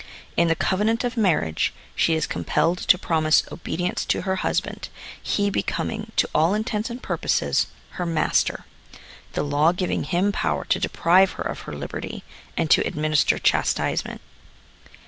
In the covenant of marriage, she is compelled to promise obedience to her husband, he becoming, to all intents and purposes, her master ŌĆö the law giving him power to deprive her of her liberty, and to administer chastisement.